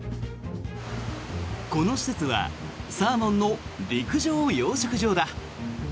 この施設はサーモンの陸上養殖場だ。